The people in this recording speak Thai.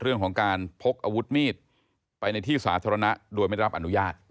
เรื่องของการพกอาวุธมีดไปในที่สาธารณะโดยไม่รับอนุญาต